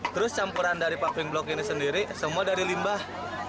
terus campuran dari paving block ini sendiri semua dari limbah